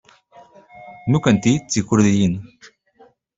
Nukenti d Tikurdiyin.